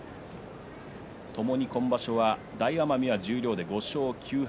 ともに今場所は大奄美は十両で５勝９敗。